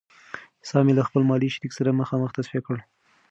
حساب مې له خپل مالي شریک سره مخامخ تصفیه کړ.